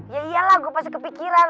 ya iyalah gue pasti kepikiran